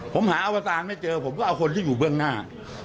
ผมหาอวตารไม่เจอผมก็เอาคนที่อยู่เบื้องหน้า